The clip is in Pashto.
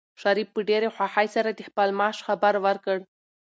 شریف په ډېرې خوښۍ سره د خپل معاش خبر ورکړ.